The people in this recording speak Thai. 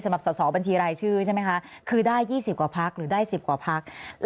สำหรับสอบบัญชีรายชื่อใช่ไหมคะคือได้๒๐กว่าพักหรือได้๑๐กว่าพัก